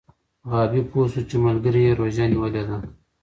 غابي پوه شو چې ملګری یې روژه نیولې ده.